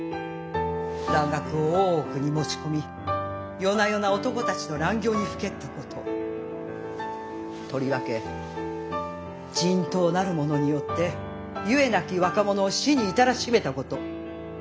蘭学を大奥に持ち込み夜な夜な男たちと乱行にふけったこととりわけ人痘なるものによってゆえなき若者を死に至らしめたこと。